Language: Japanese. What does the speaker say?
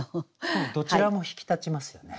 どちらも引き立ちますよね。